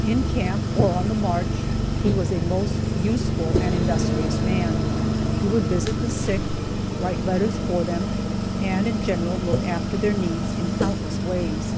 In camp or on the march, he was a most useful and industrious man. He would visit the sick, write letters for them, and in general look after their needs in countless ways.